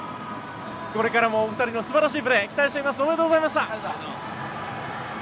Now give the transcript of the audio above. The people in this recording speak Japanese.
これからもお二人の素晴らしいプレー期待していますありがとうございました。